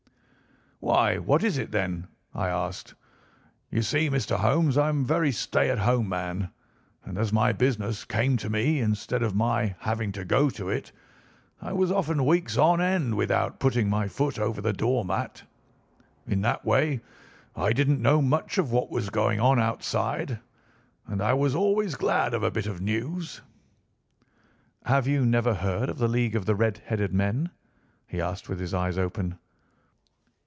"'Why, what is it, then?' I asked. You see, Mr. Holmes, I am a very stay at home man, and as my business came to me instead of my having to go to it, I was often weeks on end without putting my foot over the door mat. In that way I didn't know much of what was going on outside, and I was always glad of a bit of news. "'Have you never heard of the League of the Red headed Men?' he asked with his eyes open.